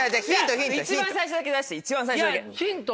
一番最初だけ出して一番最初だけ！